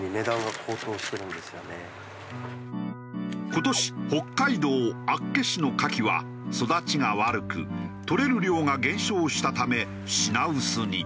今年北海道厚岸のカキは育ちが悪くとれる量が減少したため品薄に。